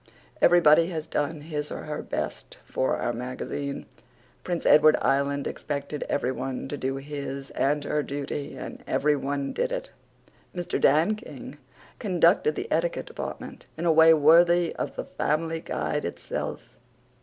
Everybody has done his or her best for Our Magazine. Prince Edward Island expected everyone to do his and her duty and everyone did it. Mr. Dan King conducted the etiquette department in a way worthy of the Family Guide itself.